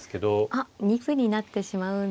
あっ二歩になってしまうんですね。